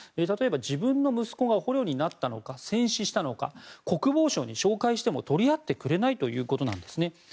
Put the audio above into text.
例えば自分の息子が捕虜になったのか戦死したのか国防省に照会しても取り合ってくれないということです。